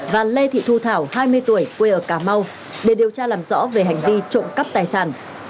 và lê thị thu thảo hai mươi tuổi quê ở cà mau để điều tra làm rõ về hành vi trộm cắp tài sản